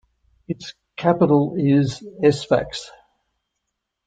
Its capital is Sfax.